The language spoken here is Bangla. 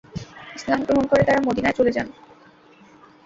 ইসলাম গ্রহণ করে তাঁরা মদীনায় চলে যান।